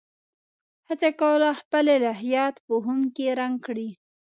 هڅه کوله خپل الهیات په خُم کې رنګ کړي.